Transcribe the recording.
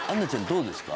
どうですか？